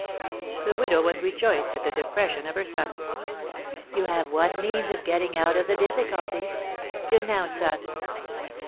The widow was rejoiced at the depression of her son: "You have one means of getting out of the difficulty: denounce us!"